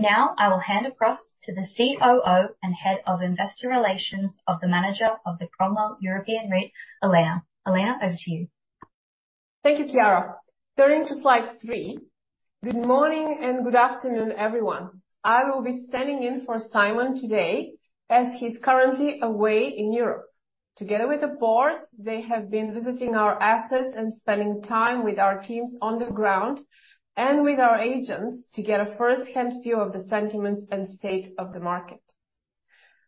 Now, I will hand across to the COO and Head of Investor Relations of the Manager of the Cromwell European REIT, Elena. Elena, over to you. Thank you, Kiara. Turning to slide three. Good morning and good afternoon, everyone. I will be standing in for Simon today as he's currently away in Europe. Together with the board, they have been visiting our assets and spending time with our teams on the ground and with our agents to get a first-hand view of the sentiments and state of the market.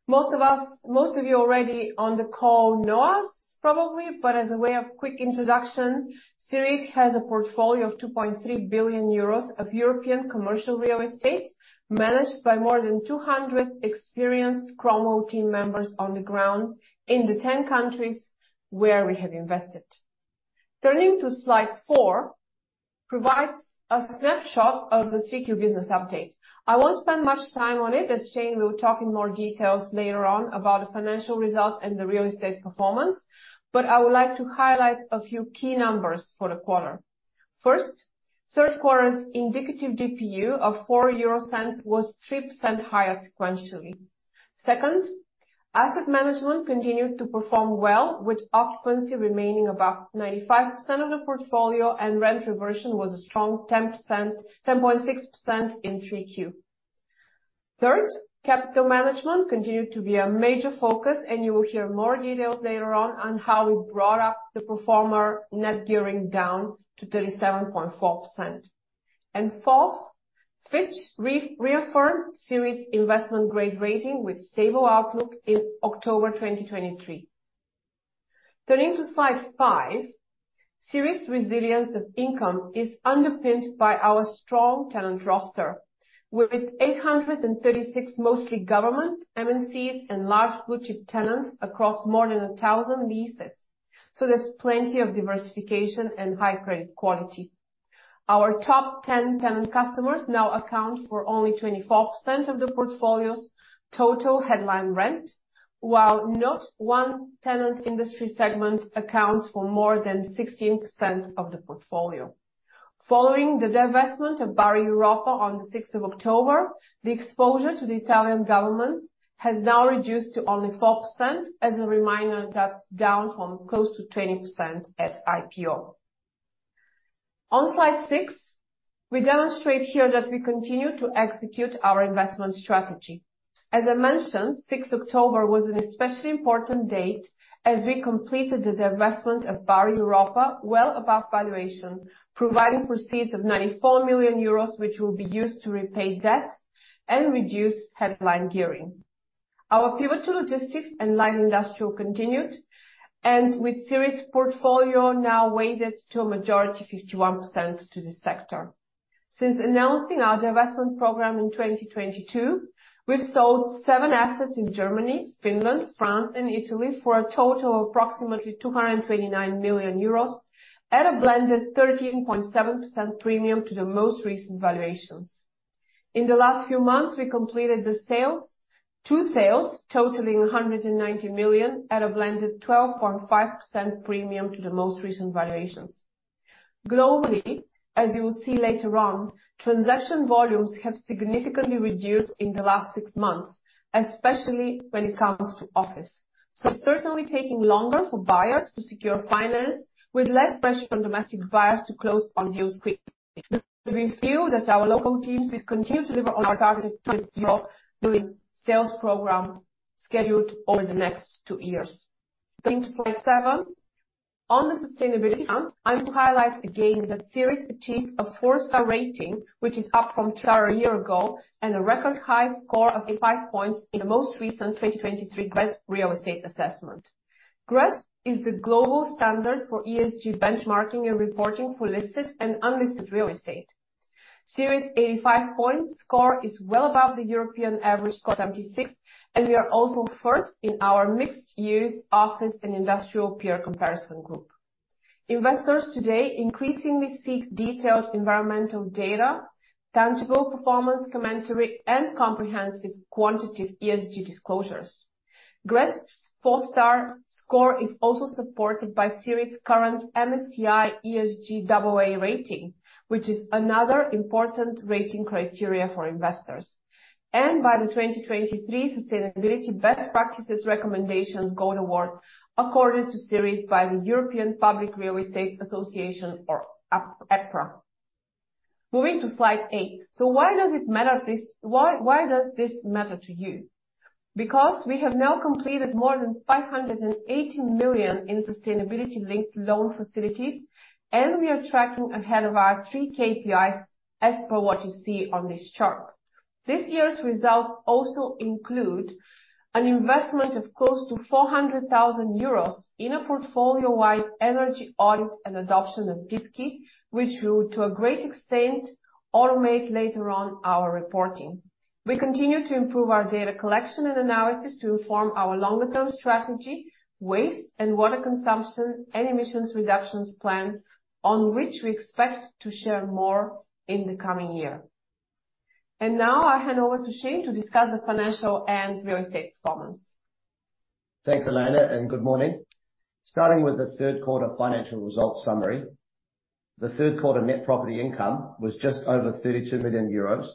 Most of us, most of you already on the call know us probably, but as a way of quick introduction, CEREIT has a portfolio of 2.3 billion euros of European commercial real estate, managed by more than 200 experienced Cromwell team members on the ground in the 10 countries where we have invested. Turning to slide four, provides a snapshot of the three-tier business update. I won't spend much time on it, as Shane will talk in more details later on about the financial results and the real estate performance, but I would like to highlight a few key numbers for the quarter. First, third quarter's indicative DPU of 0.04 was 3% higher sequentially. Second, asset management continued to perform well, with occupancy remaining above 95% of the portfolio, and rent reversion was a strong 10%-10.6% in 3Q. Third, capital management continued to be a major focus, and you will hear more details later on on how we brought down the pro forma net gearing down to 37.4%. And fourth, Fitch reaffirmed CEREIT's investment grade rating with stable outlook in October 2023. Turning to slide five, CEREIT's resilience of income is underpinned by our strong tenant roster, with 836, mostly government, MNCs and large boutique tenants across more than 1,000 leases. So there's plenty of diversification and high-grade quality. Our top 10 tenant customers now account for only 24% of the portfolio's total headline rent, while not one tenant industry segment accounts for more than 16% of the portfolio. Following the divestment of Bari Europa on the 6th of October, the exposure to the Italian government has now reduced to only 4%. As a reminder, that's down from close to 20% at IPO. On slide six, we demonstrate here that we continue to execute our investment strategy. As I mentioned, 6th October was an especially important date as we completed the divestment of Bari Europa, well above valuation, providing proceeds of 94 million euros, which will be used to repay debt and reduce headline gearing. Our pivot to logistics and light industrial continued, and with CEREIT portfolio now weighted to a majority, 51% to this sector. Since announcing our divestment program in 2022, we've sold 7 assets in Germany, Finland, France and Italy for a total of approximately 229 million euros at a blended 13.7% premium to the most recent valuations. In the last few months, we completed the sales, two sales totaling 190 million at a blended 12.5% premium to the most recent valuations. Globally, as you will see later on, transaction volumes have significantly reduced in the last 6 months, especially when it comes to office. So it's certainly taking longer for buyers to secure finance, with less pressure on domestic buyers to close on deals quickly. We feel that our local teams will continue to deliver on our targeted European divestment sales program scheduled over the next two years. Going to slide seven. On the sustainability front, I'm to highlight again that CEREIT achieved a four-star rating, which is up from three a year ago, and a record high score of 85 points in the most recent 2023 GRESB real estate assessment. GRESB is the global standard for ESG benchmarking and reporting for listed and unlisted real estate. CEREIT's 85-point score is well above the European average score of MSCI, and we are also first in our mixed-use office and industrial peer comparison group. Investors today increasingly seek detailed environmental data, tangible performance commentary, and comprehensive quantitative ESG disclosures. GRESB's four-star score is also supported by CEREIT's current MSCI ESG AA rating, which is another important rating criteria for investors, and by the 2023 Sustainability Best Practices Recommendations Gold Award, according to CEREIT, by the European Public Real Estate Association or EPRA. Moving to slide eight. So why does this matter to you? Because we have now completed more than 580 million in sustainability-linked loan facilities, and we are tracking ahead of our three KPIs as per what you see on this chart. This year's results also include an investment of close to 400,000 euros in a portfolio-wide energy audit and adoption of Deepki, which will, to a great extent, automate later on our reporting. We continue to improve our data collection and analysis to inform our longer-term strategy, waste and water consumption, and emissions reductions plan on which we expect to share more in the coming year. And now I hand over to Shane to discuss the financial and real estate performance. Thanks, Elena, and good morning. Starting with the third quarter financial results summary. The third quarter net property income was just over 32 million euros,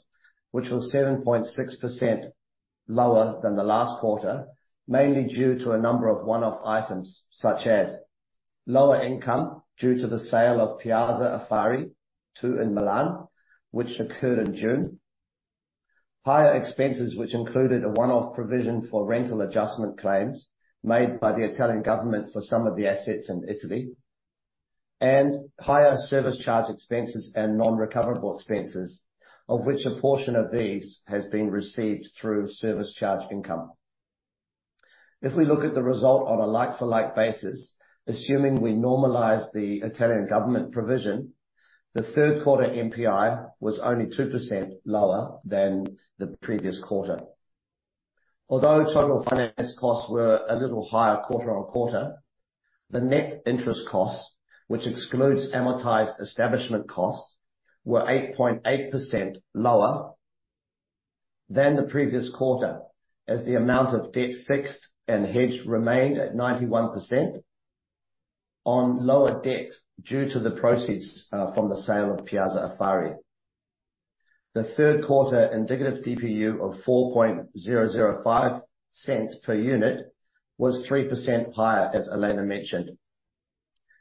which was 7.6% lower than the last quarter, mainly due to a number of one-off items, such as lower income due to the sale of Piazza Affari, 2 in Milan, which occurred in June. Higher expenses, which included a one-off provision for rental adjustment claims made by the Italian government for some of the assets in Italy. And higher service charge expenses and non-recoverable expenses, of which a portion of these has been received through service charge income. If we look at the result on a like-for-like basis, assuming we normalize the Italian government provision, the third quarter NPI was only 2% lower than the previous quarter. Although total finance costs were a little higher quarter on quarter, the net interest costs, which excludes amortized establishment costs, were 8.8% lower than the previous quarter, as the amount of debt fixed and hedged remained at 91% on lower debt due to the proceeds from the sale of Piazza Affari. The third quarter indicative DPU of 0.04005 per unit was 3% higher, as Elena mentioned,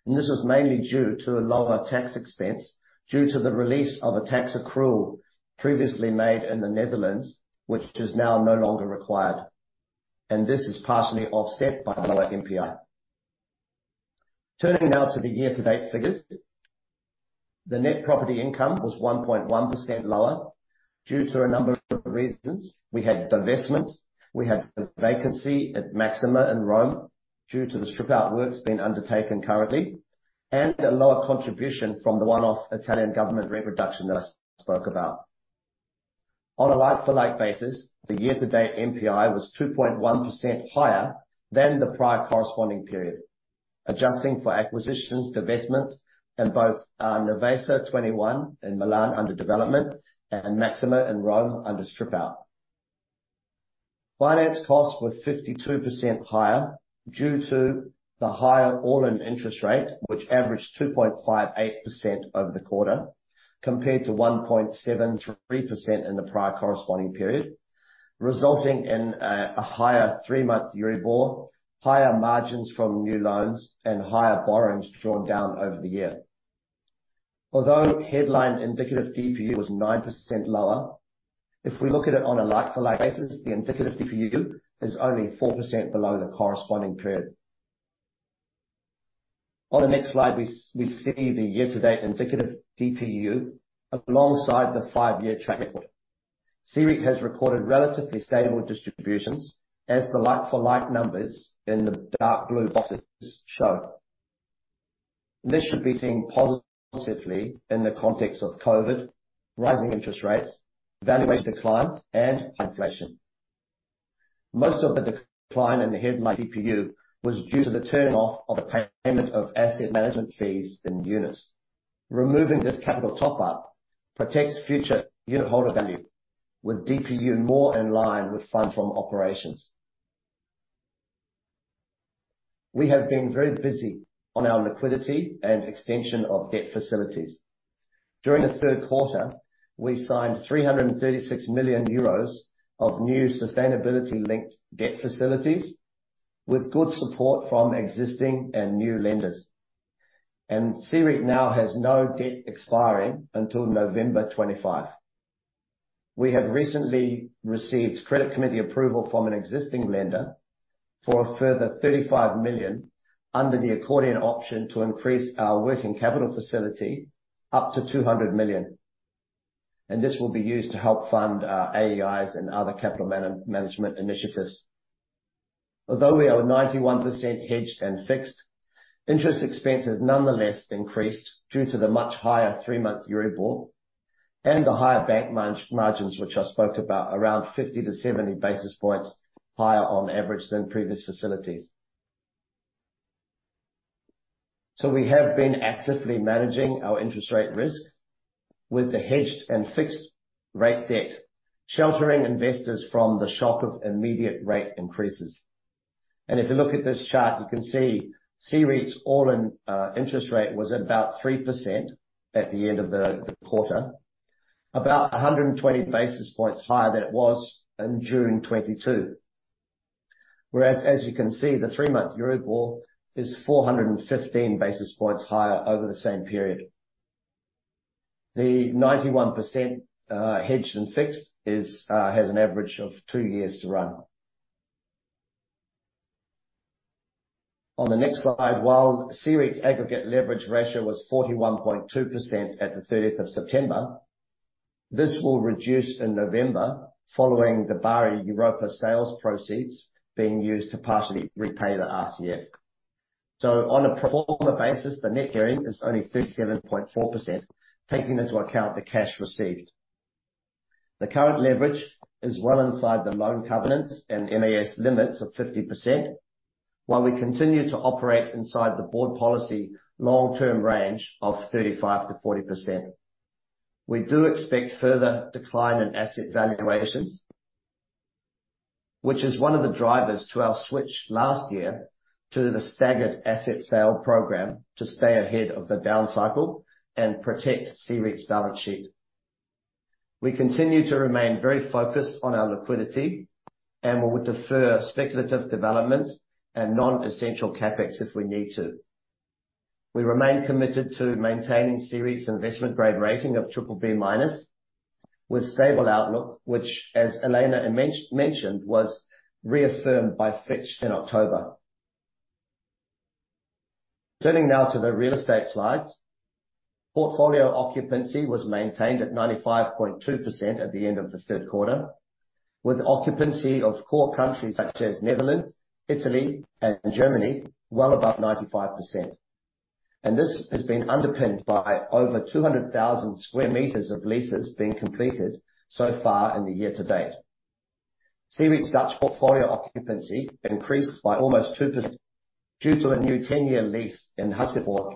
and this is mainly due to a lower tax expense due to the release of a tax accrual previously made in the Netherlands, which is now no longer required, and this is partially offset by lower NPI. Turning now to the year-to-date figures. The net property income was 1.1% lower due to a number of reasons. We had divestments, we had vacancy at Maxima in Rome due to the strip out works being undertaken currently, and a lower contribution from the one-off Italian government rate reduction that I spoke about. On a like-for-like basis, the year-to-date NPI was 2.1% higher than the prior corresponding period, adjusting for acquisitions, divestments in both, Nervesa 21 in Milan, under development, and Maxima in Rome, under strip out. Finance costs were 52% higher due to the higher all-in interest rate, which averaged 2.58% over the quarter, compared to 1.73% in the prior corresponding period, resulting in, a higher three-month Euribor, higher margins from new loans, and higher borrowings drawn down over the year. Although headline indicative DPU was 9% lower, if we look at it on a like-for-like basis, the indicative DPU is only 4% below the corresponding period. On the next slide, we see the year-to-date indicative DPU alongside the five-year track record. CEREIT has recorded relatively stable distributions as the like-for-like numbers in the dark blue boxes show. This should be seen positively in the context of COVID, rising interest rates, valuation declines, and high inflation. Most of the decline in the headline DPU was due to the turning off of the payment of asset management fees in units. Removing this capital top up protects future unitholder value with DPU more in line with Funds From Operations. We have been very busy on our liquidity and extension of debt facilities. During the third quarter, we signed 336 million euros of new sustainability-linked debt facilities with good support from existing and new lenders. And CEREIT now has no debt expiring until November 2025. We have recently received credit committee approval from an existing lender for a further 35 million under the accordion option to increase our working capital facility up to 200 million, and this will be used to help fund AEIs and other capital management initiatives. Although we are 91% hedged and fixed, interest expenses nonetheless increased due to the much higher three-month Euribor and the higher bank margins, which I spoke about, around 50-70 basis points higher on average than previous facilities. So we have been actively managing our interest rate risk with the hedged and fixed rate debt, sheltering investors from the shock of immediate rate increases. If you look at this chart, you can see, CEREIT's all-in interest rate was at about 3% at the end of the quarter, about 120 basis points higher than it was in June 2022. Whereas as you can see, the three-month Euribor is 415 basis points higher over the same period. The 91% hedged and fixed has an average of two years to run. On the next slide, while CEREIT's aggregate leverage ratio was 41.2% at the 30th of September, this will reduce in November following the Bari Europa sales proceeds being used to partially repay the RCF. So on a pro forma basis, the net gearing is only 37.4%, taking into account the cash received. The current leverage is well inside the loan covenants and MAS limits of 50%, while we continue to operate inside the board policy long-term range of 35%-40%. We do expect further decline in asset valuations, which is one of the drivers to our switch last year to the staggered asset sale program to stay ahead of the down cycle and protect CEREIT's balance sheet. We continue to remain very focused on our liquidity, and we would defer speculative developments and non-essential CapEx if we need to. We remain committed to maintaining CEREIT's investment grade rating of BBB-, with stable outlook, which, as Elena mentioned, was reaffirmed by Fitch in October. Turning now to the real estate slides. Portfolio occupancy was maintained at 95.2% at the end of the third quarter, with occupancy of core countries such as Netherlands, Italy, and Germany, well above 95%. This has been underpinned by over 200,000 square meters of leases being completed so far in the year to date. CEREIT's Dutch portfolio occupancy increased by almost 2% due to a new 10-year lease in Haagse Poort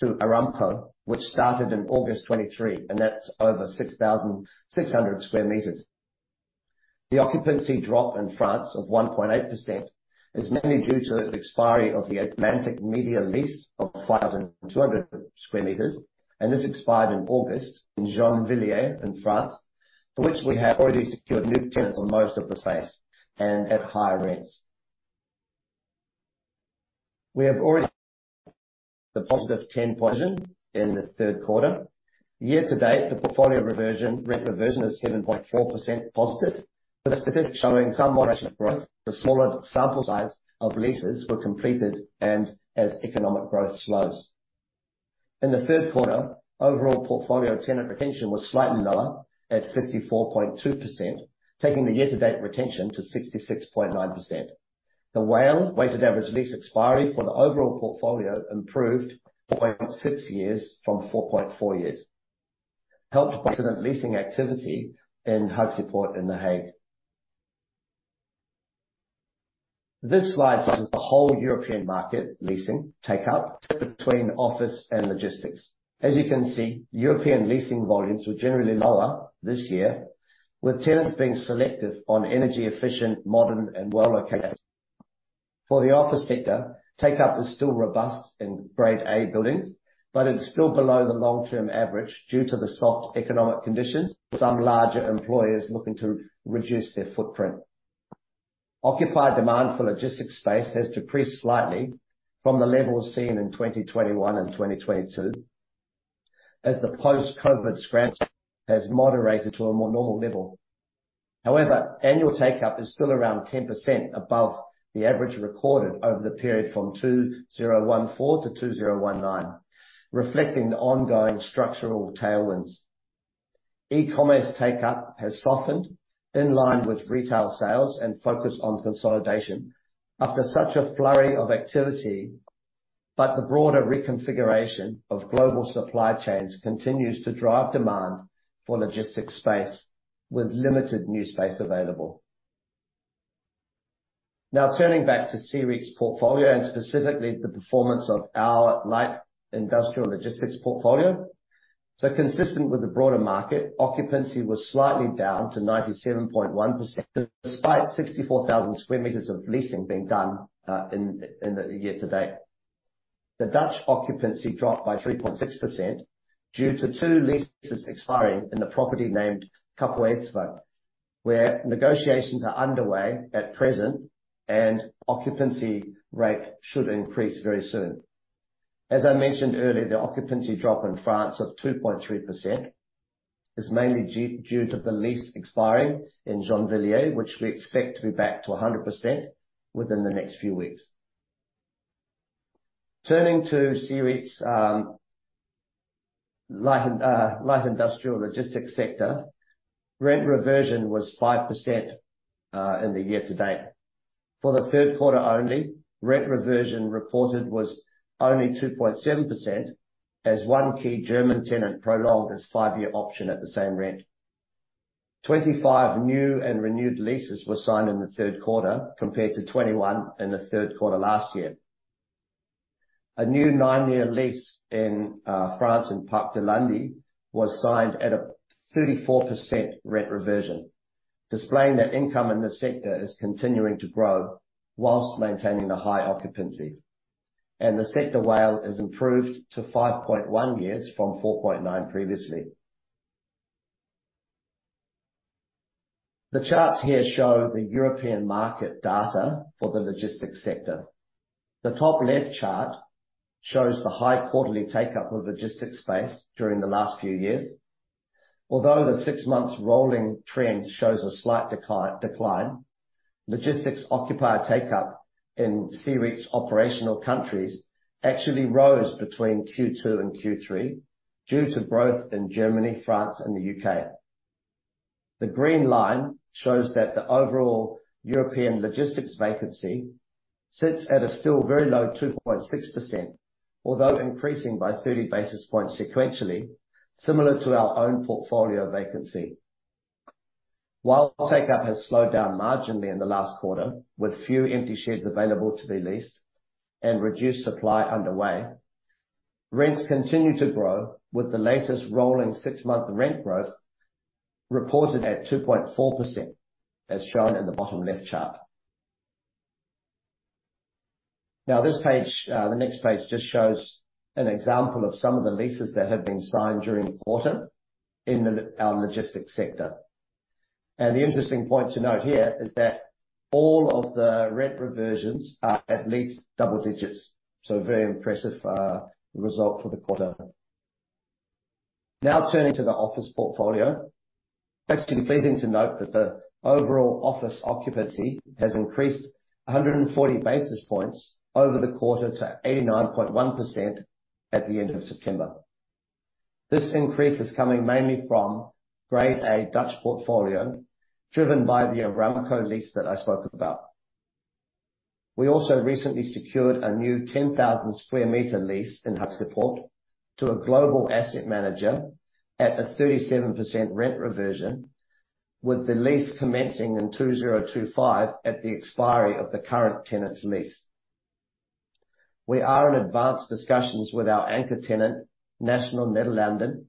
to Aramco, which started in August 2023, and that's over 6,600 square meters. The occupancy drop in France of 1.8% is mainly due to the expiry of the Atlantic Media lease of 5,200 square meters, and this expired in August in Gennevilliers, in France, for which we have already secured new tenants on most of the space and at higher rates. We have already the positive 10 position in the third quarter. Year to date, the portfolio reversion, rent reversion, is 7.4% positive, with statistics showing some moderation growth. The smaller sample size of leases were completed and as economic growth slows. In the third quarter, overall portfolio tenant retention was slightly lower at 54.2%, taking the year-to-date retention to 66.9%. The WALE, Weighted Average Lease Expiry, for the overall portfolio improved to 5.6 years from 4.4 years, helped by recent leasing activity in Haagse Poort in The Hague. This slide shows the whole European market leasing take up between office and logistics. As you can see, European leasing volumes were generally lower this year, with tenants being selective on energy efficient, modern and well-located. For the office sector, take-up is still robust in Grade A buildings, but it's still below the long-term average due to the soft economic conditions, with some larger employers looking to reduce their footprint. Occupier demand for logistics space has decreased slightly from the levels seen in 2021 and 2022 as the post-COVID surge has moderated to a more normal level. However, annual take-up is still around 10% above the average recorded over the period from 2014 to 2019, reflecting the ongoing structural tailwinds. E-commerce take-up has softened in line with retail sales and focus on consolidation after such a flurry of activity, but the broader reconfiguration of global supply chains continues to drive demand for logistics space, with limited new space available. Now, turning back to CEREIT's portfolio and specifically the performance of our light industrial logistics portfolio. So consistent with the broader market, occupancy was slightly down to 97.1%, despite 64,000 square meters of leasing being done in the year to date. The Dutch occupancy dropped by 3.6% due to two leases expiring in the property named Kapoeasweg, where negotiations are underway at present and occupancy rate should increase very soon. As I mentioned earlier, the occupancy drop in France of 2.3% is mainly due to the lease expiring in Gennevilliers, which we expect to be back to 100% within the next few weeks. Turning to CEREIT's light industrial logistics sector, rent reversion was 5% in the year to date. For the third quarter only, rent reversion reported was only 2.7%, as one key German tenant prolonged its five-year option at the same rent. 25 new and renewed leases were signed in the third quarter, compared to 21 in the third quarter last year. A new nine-year lease in France, in Parc du Landy, was signed at a 34% rent reversion, displaying that income in this sector is continuing to grow while maintaining a high occupancy. The sector WALE is improved to 5.1 years from 4.9 previously. The charts here show the European market data for the logistics sector. The top left chart shows the high quarterly take-up of logistics space during the last few years. Although the six-month rolling trend shows a slight decline, logistics occupier take-up in CEREIT's operational countries actually rose between Q2 and Q3 due to growth in Germany, France, and the U.K. The green line shows that the overall European logistics vacancy sits at a still very low 2.6%, although increasing by 30 basis points sequentially, similar to our own portfolio vacancy. While takeup has slowed down marginally in the last quarter, with few empty sheds available to be leased and reduced supply underway, rents continue to grow, with the latest rolling six-month rent growth reported at 2.4%, as shown in the bottom left chart. Now, this page, the next page just shows an example of some of the leases that have been signed during the quarter in our logistics sector. The interesting point to note here is that all of the rent reversions are at least double digits, so very impressive result for the quarter. Now turning to the office portfolio. It's actually pleasing to note that the overall office occupancy has increased 100 basis points over the quarter, to 89.1% at the end of September. This increase is coming mainly from Grade A Dutch portfolio, driven by the Aramco lease that I spoke about. We also recently secured a new 10,000 square meter lease in Haagse Poort to a global asset manager at a 37% rent reversion, with the lease commencing in 2025 at the expiry of the current tenant's lease. We are in advanced discussions with our anchor tenant, Nationale-Nederlanden,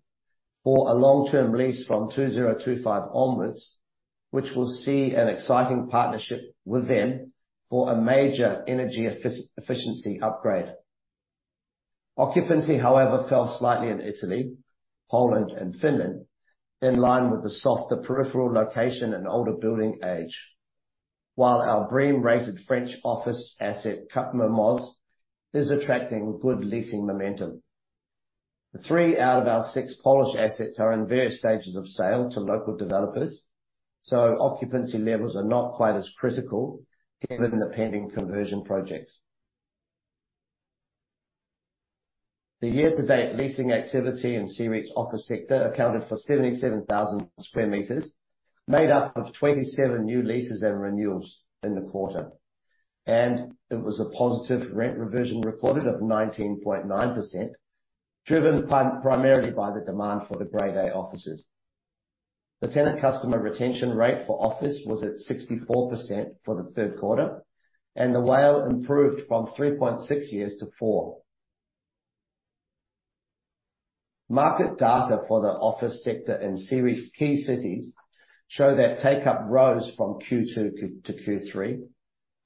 for a long-term lease from 2025 onwards, which will see an exciting partnership with them for a major energy efficiency upgrade. Occupancy, however, fell slightly in Italy, Poland, and Finland, in line with the softer peripheral location and older building age, while our BREEAM-rated French office asset, Cap Mermoz, is attracting good leasing momentum. The three out of our six Polish assets are in various stages of sale to local developers, so occupancy levels are not quite as critical given the pending conversion projects. The year-to-date leasing activity in CEREIT's office sector accounted for 77,000 square meters, made up of 27 new leases and renewals in the quarter. It was a positive rent reversion recorded of 19.9%, driven primarily by the demand for the Grade A offices. The tenant customer retention rate for office was at 64% for the third quarter, and the WALE improved from 3.6 years to four. Market data for the office sector in CEREIT's key cities show that takeup rose from Q2 to Q3,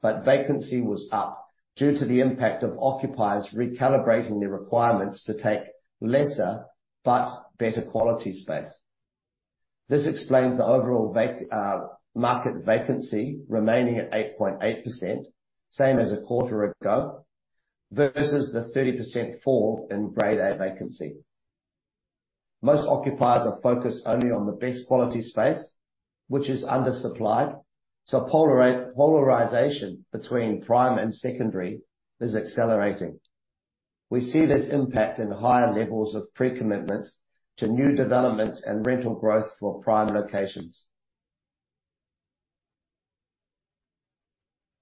but vacancy was up due to the impact of occupiers recalibrating their requirements to take lesser but better quality space. This explains the overall market vacancy remaining at 8.8%, same as a quarter ago, versus the 30% fall in Grade A vacancy. Most occupiers are focused only on the best quality space, which is undersupplied, so polarization between prime and secondary is accelerating. We see this impact in higher levels of pre-commitments to new developments and rental growth for prime locations.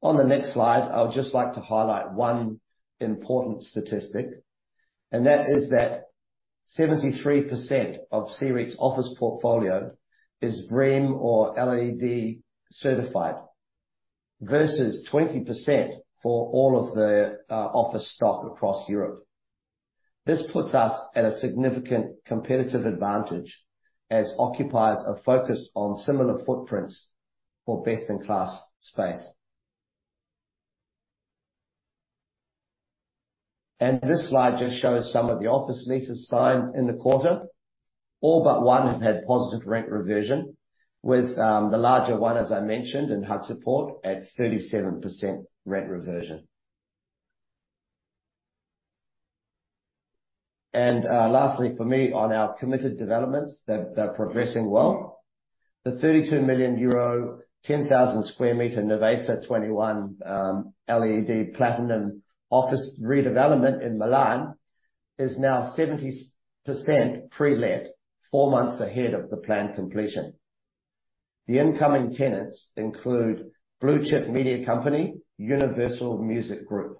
On the next slide, I would just like to highlight one important statistic, and that is that 73% of CEREIT's office portfolio is BREEAM or LEED certified, versus 20% for all of the office stock across Europe. This puts us at a significant competitive advantage as occupiers are focused on similar footprints for best-in-class space. This slide just shows some of the office leases signed in the quarter. All but one have had positive rent reversion, with the larger one, as I mentioned, in Haagse Poort, at 37% rent reversion. Lastly, for me, on our committed developments, they're progressing well. The 32 million euro, 10,000 sq m Nervesa 21 LEED Platinum office redevelopment in Milan, is now 70% pre-let, four months ahead of the planned completion. The incoming tenants include blue-chip media company, Universal Music Group,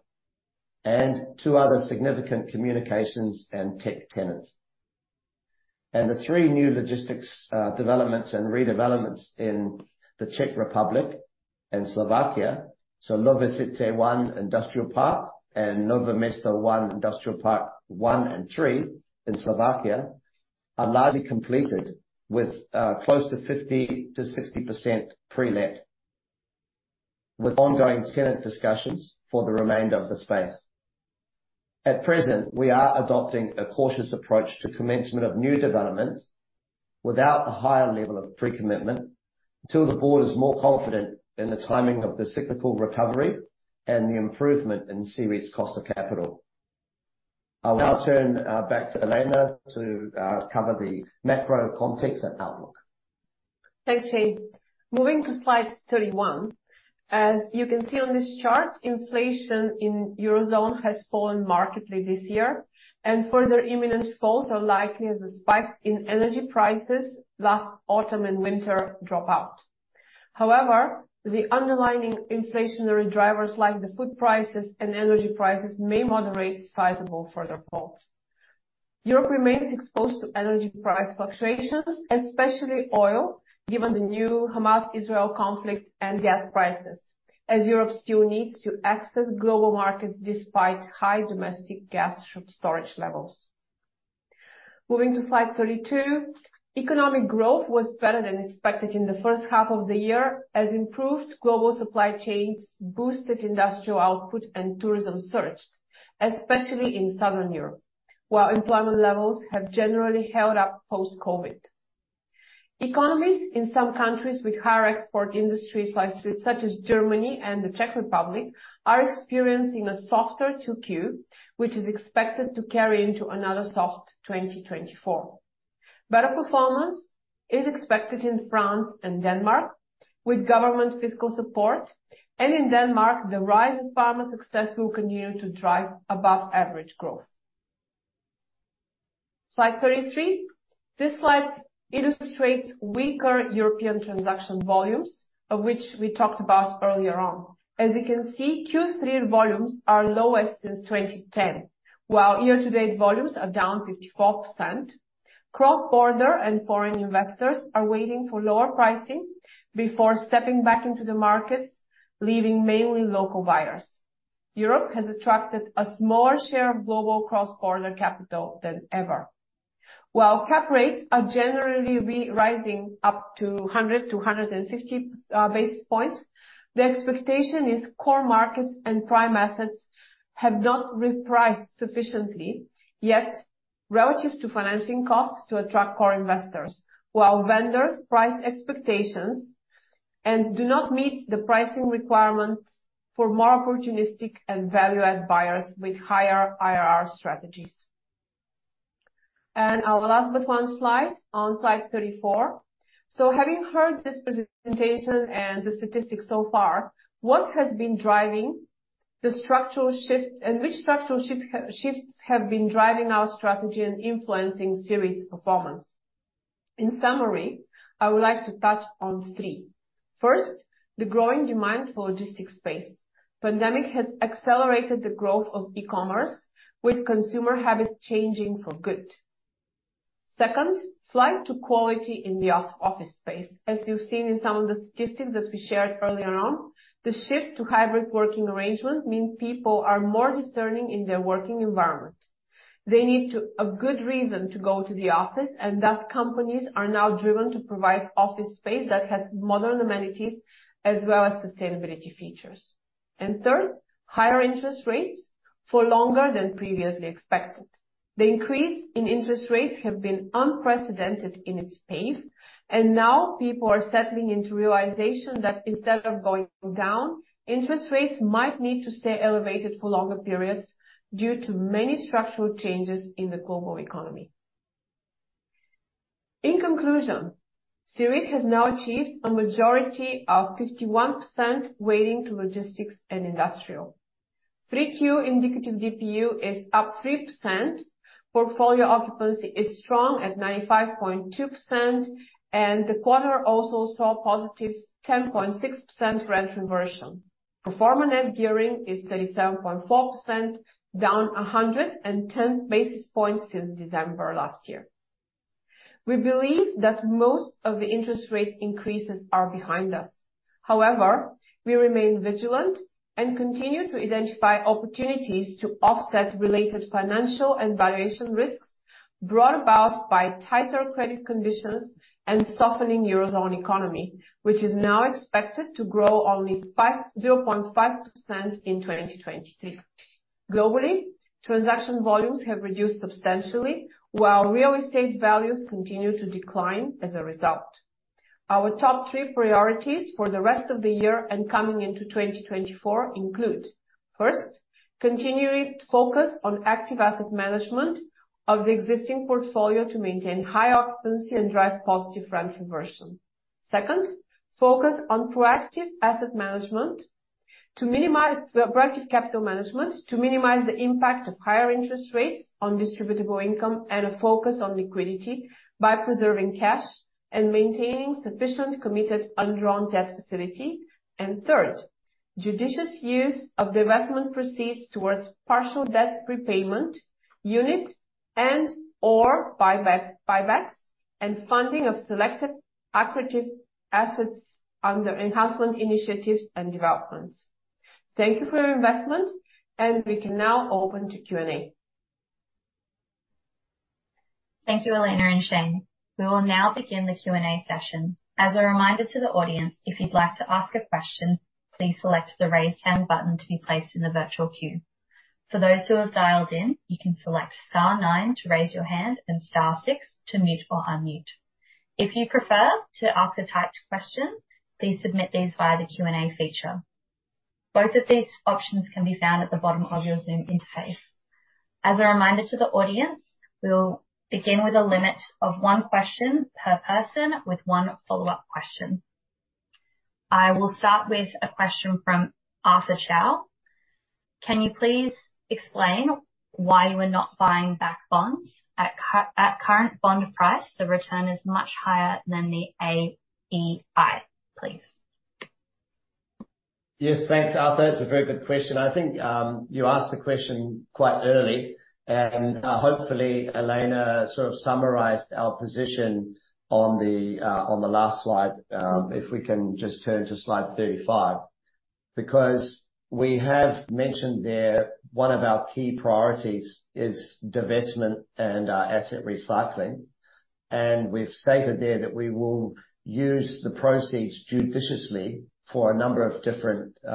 and two other significant communications and tech tenants. The three new logistics developments and redevelopments in the Czech Republic and Slovakia, so Nové Sady 1 Industrial Park and Nové Mesto 1 Industrial Park 1 and 3 in Slovakia, are largely completed with close to 50%-60% pre-let, with ongoing tenant discussions for the remainder of the space. At present, we are adopting a cautious approach to commencement of new developments without a higher level of pre-commitment, until the board is more confident in the timing of the cyclical recovery and the improvement in CEREIT's cost of capital. I'll now turn back to Elena to cover the macro context and outlook. Thanks, Shane. Moving to slide 31. As you can see on this chart, inflation in Eurozone has fallen markedly this year, and further imminent falls are likely as the spikes in energy prices last autumn and winter drop out. However, the underlying inflationary drivers, like the food prices and energy prices, may moderate sizable further falls. Europe remains exposed to energy price fluctuations, especially oil, given the new Hamas-Israel conflict and gas prices, as Europe still needs to access global markets despite high domestic gas storage levels. Moving to slide 32, economic growth was better than expected in the first half of the year, as improved global supply chains boosted industrial output and tourism surged, especially in Southern Europe, while employment levels have generally held up post-COVID. Economies in some countries with higher export industries, like, such as Germany and the Czech Republic, are experiencing a softer 2Q, which is expected to carry into another soft 2024. Better performance is expected in France and Denmark, with government fiscal support. In Denmark, the rise of pharma success will continue to drive above average growth. Slide 33. This slide illustrates weaker European transaction volumes, of which we talked about earlier on. As you can see, Q3 volumes are lowest since 2010, while year-to-date volumes are down 54%. Cross-border and foreign investors are waiting for lower pricing before stepping back into the markets, leaving mainly local buyers. Europe has attracted a smaller share of global cross-border capital than ever. While cap rates are generally rising up to 100-150 basis points, the expectation is core markets and prime assets have not repriced sufficiently yet relative to financing costs to attract core investors. While vendors' price expectations do not meet the pricing requirements for more opportunistic and value-add buyers with higher IRR strategies. Our last but one slide, on slide 34. So having heard this presentation and the statistics so far, what has been driving the structural shift, and which structural shift, shifts have been driving our strategy and influencing CEREIT's performance? In summary, I would like to touch on three. First, the growing demand for logistics space. The pandemic has accelerated the growth of e-commerce, with consumer habits changing for good. Second, flight to quality in the office space. As you've seen in some of the statistics that we shared earlier on, the shift to hybrid working arrangement mean people are more discerning in their working environment. They need a good reason to go to the office, and thus companies are now driven to provide office space that has modern amenities as well as sustainability features. Third, higher interest rates for longer than previously expected. The increase in interest rates have been unprecedented in its pace, and now people are settling into realization that instead of going down, interest rates might need to stay elevated for longer periods due to many structural changes in the global economy. In conclusion, CEREIT has now achieved a majority of 51% weighting to logistics and industrial. 3Q indicative DPU is up 3%, portfolio occupancy is strong at 95.2%, and the quarter also saw a positive 10.6% rent reversion. Pro forma net gearing is 37.4%, down 110 basis points since December last year. We believe that most of the interest rate increases are behind us. However, we remain vigilant and continue to identify opportunities to offset related financial and valuation risks brought about by tighter credit conditions and softening Eurozone economy, which is now expected to grow only 0.5% in 2023. Globally, transaction volumes have reduced substantially, while real estate values continue to decline as a result. Our top three priorities for the rest of the year and coming into 2024 include: first, continuing to focus on active asset management of the existing portfolio to maintain high occupancy and drive positive rent reversion. Second, focus on proactive capital management to minimize the impact of higher interest rates on distributable income, and a focus on liquidity by preserving cash and maintaining sufficient committed undrawn debt facility. And third, judicious use of the investment proceeds towards partial debt prepayment, unit and/or buyback, buybacks, and funding of selected accretive assets under enhancement initiatives and developments. Thank you for your investment, and we can now open to Q&A. Thank you, Elena and Shane. We will now begin the Q&A session. As a reminder to the audience, if you'd like to ask a question, please select the Raise Hand button to be placed in the virtual queue. For those who have dialed in, you can select star nine to raise your hand and star six to mute or unmute. If you prefer to ask a typed question, please submit these via the Q&A feature. Both of these options can be found at the bottom of your Zoom interface. As a reminder to the audience, we'll begin with a limit of one question per person, with one follow-up question. I will start with a question from Arthur Chow: Can you please explain why you are not buying back bonds? At current bond price, the return is much higher than the AEI, please.... Yes, thanks, Arthur. It's a very good question. I think, you asked the question quite early, and, hopefully, Elena sort of summarized our position on the, on the last slide. If we can just turn to slide 35. Because we have mentioned there, one of our key priorities is divestment and, asset recycling. And we've stated there that we will use the proceeds judiciously for a number of different, you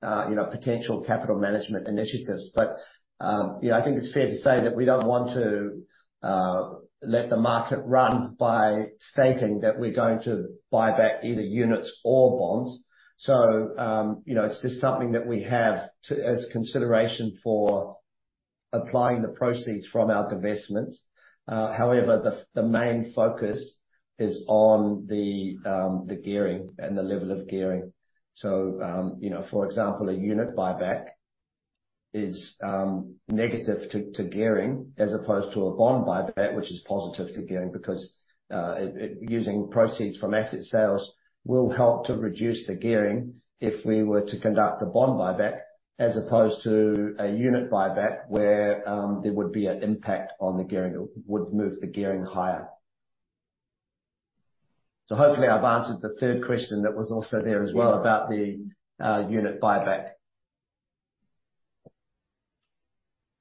know, potential capital management initiatives. But, you know, I think it's fair to say that we don't want to, let the market run by stating that we're going to buy back either units or bonds. So, you know, it's just something that we have to-- as consideration for applying the proceeds from our divestments. However, the main focus is on the gearing and the level of gearing. So, you know, for example, a unit buyback is negative to gearing, as opposed to a bond buyback, which is positive to gearing. Because using proceeds from asset sales will help to reduce the gearing if we were to conduct a bond buyback, as opposed to a unit buyback, where there would be an impact on the gearing. It would move the gearing higher. So hopefully, I've answered the third question that was also there as well about the unit buyback.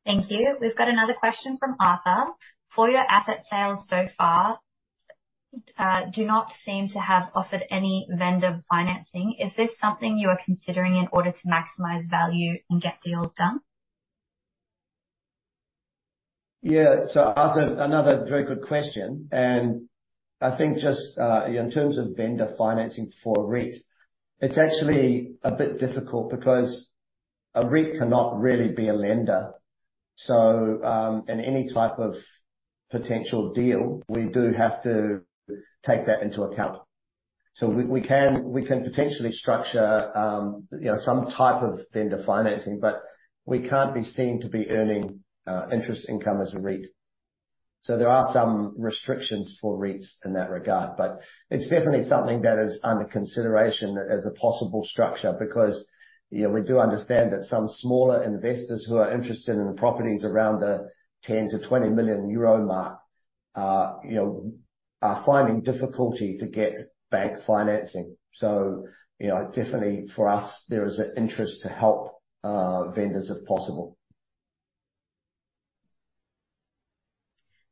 Thank you. We've got another question from Arthur: For your asset sales so far, do not seem to have offered any vendor financing. Is this something you are considering in order to maximize value and get deals done? Yeah. So Arthur, another very good question, and I think just, in terms of vendor financing for a REIT, it's actually a bit difficult because a REIT cannot really be a lender. So, in any type of potential deal, we do have to take that into account. So we, we can, we can potentially structure, you know, some type of vendor financing, but we can't be seen to be earning, interest income as a REIT. So there are some restrictions for REITs in that regard, but it's definitely something that is under consideration as a possible structure. Because, you know, we do understand that some smaller investors who are interested in properties around the 10 million-20 million euro mark, you know, are finding difficulty to get bank financing. So, you know, definitely for us, there is an interest to help, vendors, if possible.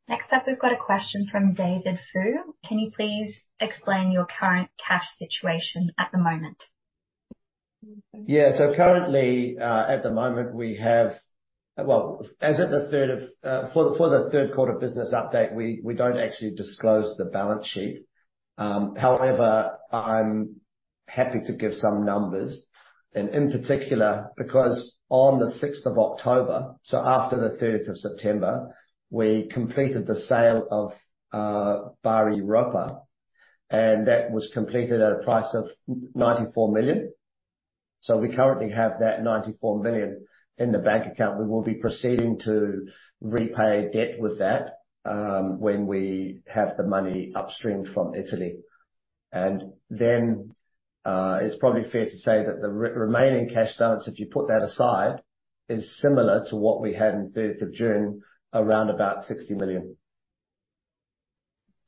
Next up, we've got a question from David Fu: Can you please explain your current cash situation at the moment? Yeah. So currently, at the moment, we have. Well, as at the third of, for the third quarter business update, we don't actually disclose the balance sheet. However, I'm happy to give some numbers, and in particular, because on the sixth of October, so after the third of September, we completed the sale of Bari Europa, and that was completed at a price of 94 million. So we currently have that 94 million in the bank account. We will be proceeding to repay debt with that, when we have the money upstreamed from Italy. And then, it's probably fair to say that the remaining cash balance, if you put that aside, is similar to what we had on third of June, around about 60 million.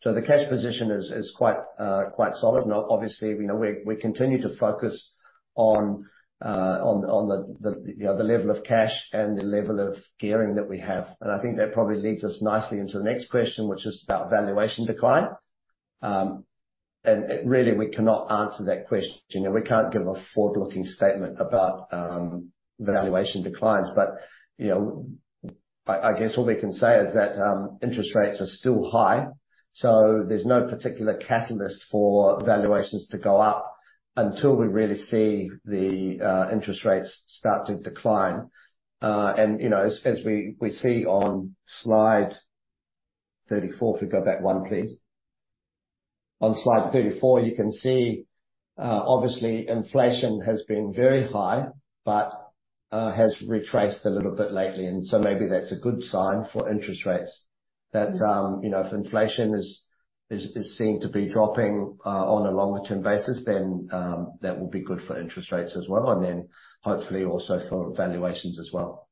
So the cash position is quite solid. Now, obviously, you know, we continue to focus on the level of cash and the level of gearing that we have. And I think that probably leads us nicely into the next question, which is about valuation decline. And really we cannot answer that question, and we can't give a forward-looking statement about valuation declines. But, you know, I guess all we can say is that interest rates are still high, so there's no particular catalyst for valuations to go up until we really see the interest rates start to decline. And, you know, as we see on slide 34, if we go back one, please. On slide 34, you can see, obviously inflation has been very high, but has retraced a little bit lately, and so maybe that's a good sign for interest rates. That, you know, if inflation is seen to be dropping, on a longer-term basis, then that will be good for interest rates as well, and then hopefully also for valuations as well.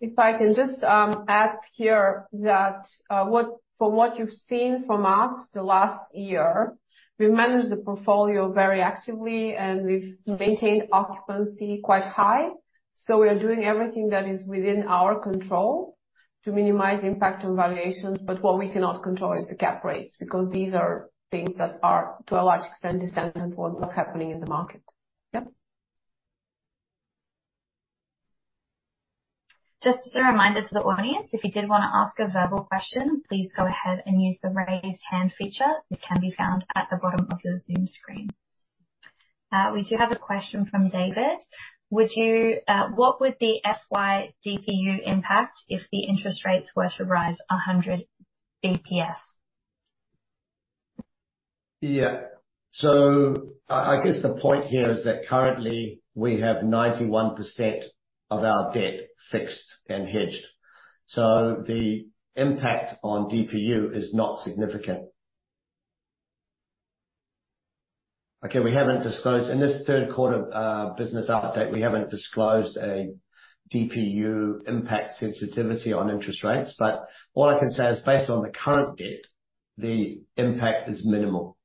If I can just add here that from what you've seen from us the last year, we've managed the portfolio very actively, and we've maintained occupancy quite high. So we are doing everything that is within our control to minimize the impact on valuations. But what we cannot control is the cap rates, because these are things that are, to a large extent, dependent on what's happening in the market. Yep. Just as a reminder to the audience, if you did want to ask a verbal question, please go ahead and use the Raise Hand feature. It can be found at the bottom of your Zoom screen. We do have a question from David: Would you, What would the FY DPU impact if the interest rates were to rise 100 BPS? Yeah. So I guess the point here is that currently we have 91% of our debt fixed and hedged. So the impact on DPU is not significant. Okay, we haven't disclosed. In this third quarter business update, we haven't disclosed a DPU impact sensitivity on interest rates, but all I can say is based on the current debt, the impact is minimal.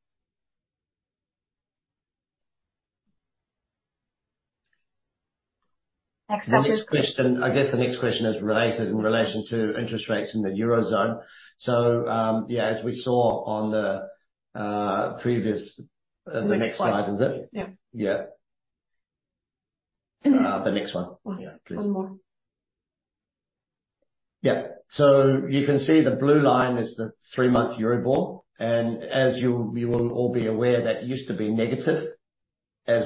Next up- The next question. I guess the next question is related in relation to interest rates in the Eurozone. So, yeah, as we saw on the previous, the next slide, is it? Yeah. Yeah. The next one. One. Yeah, please. One more. Yeah. So you can see the blue line is the three-month Euribor. And as you'll, you will all be aware, that used to be negative, as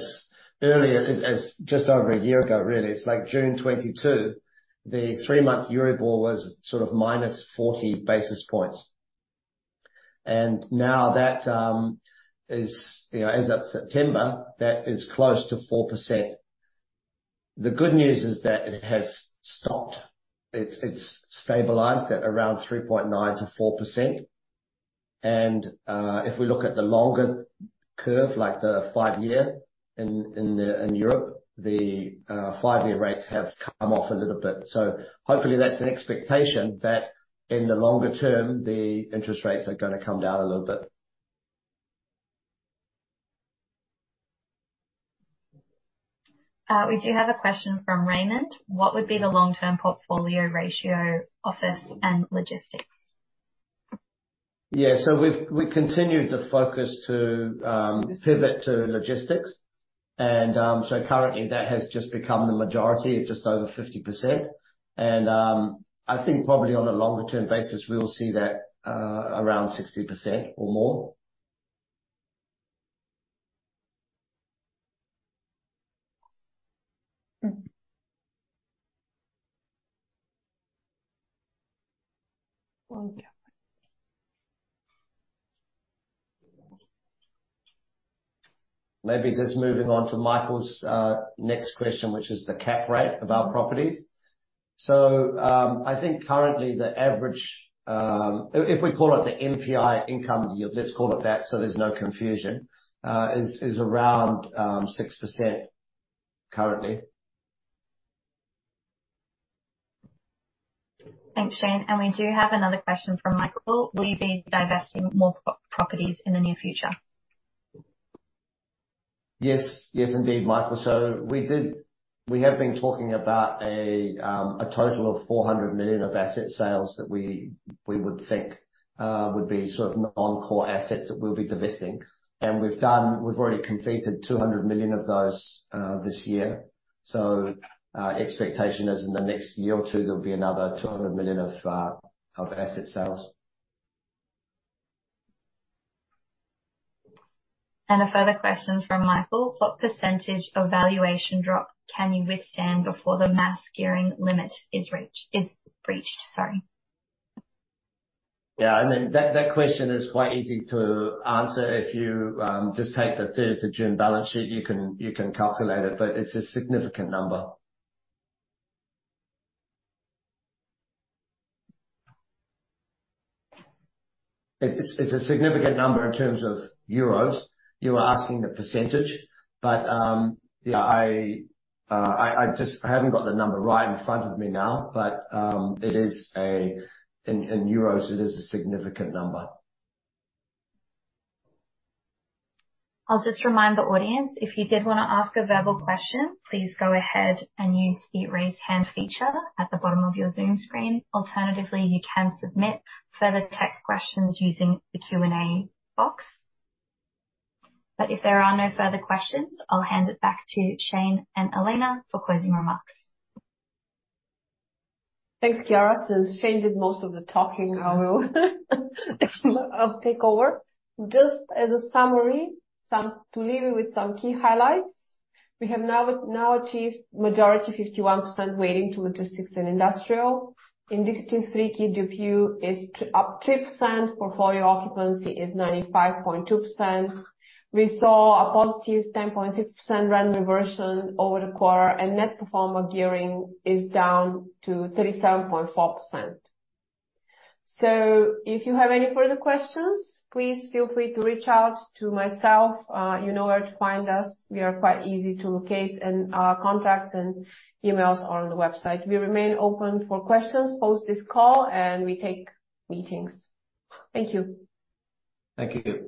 early as, as just over a year ago really. It's like June 2022, the three-month Euribor was sort of -40 basis points. And now that, is, you know, as at September, that is close to 4%. The good news is that it has stopped. It's, it's stabilized at around 3.9%-4%. And, if we look at the longer curve, like the five-year in, in, in Europe, the, five-year rates have come off a little bit. So hopefully that's an expectation that in the longer term, the interest rates are gonna come down a little bit. We do have a question from Raymond: What would be the long-term portfolio ratio, office and logistics? Yeah. So we've continued the focus to pivot to logistics. And so currently that has just become the majority of just over 50%. And I think probably on a longer-term basis, we will see that around 60% or more. Okay. Maybe just moving on to Michael's next question, which is the cap rate of our properties. So, I think currently the average, if we call it the NPI income yield, let's call it that so there's no confusion, is around 6% currently. Thanks, Shane. We do have another question from Michael. Will you be divesting more properties in the near future? Yes. Yes, indeed, Michael. So we have been talking about a total of 400 million of asset sales that we would think would be sort of non-core assets that we'll be divesting. And we've already completed 200 million of those this year. So expectation is in the next year or two, there'll be another 200 million of asset sales. A further question from Michael: What percentage of valuation drop can you withstand before the MAS gearing limit is reached, is breached? Sorry. Yeah, and then that question is quite easy to answer. If you just take the third of June balance sheet, you can calculate it, but it's a significant number. It's a significant number in terms of euros. You were asking the percentage, but yeah, I just haven't got the number right in front of me now, but it is in euros, it is a significant number. I'll just remind the audience, if you did want to ask a verbal question, please go ahead and use the Raise Hand feature at the bottom of your Zoom screen. Alternatively, you can submit further text questions using the Q&A box. But if there are no further questions, I'll hand it back to Shane and Elena for closing remarks. Thanks, Kiara. Since Shane did most of the talking, I will, I'll take over. Just as a summary, some to leave you with some key highlights. We have now achieved majority 51% weighting to logistics and industrial. Indicative 3Q DPU is up 3%. Portfolio occupancy is 95.2%. We saw a positive 10.6% rent reversion over the quarter, and net pro forma gearing is down to 37.4%. So if you have any further questions, please feel free to reach out to myself. You know where to find us. We are quite easy to locate, and our contacts and emails are on the website. We remain open for questions, post this call, and we take meetings. Thank you. Thank you.